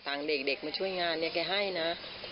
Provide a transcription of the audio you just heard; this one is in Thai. เด็กมาช่วยงานเนี่ยแกให้นะ